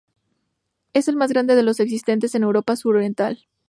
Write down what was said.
Es el más grande de los existentes en Europa suroriental.